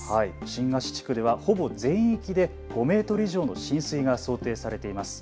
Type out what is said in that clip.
新河岸地区ではほぼ全域で５メートル以上の浸水が想定されています。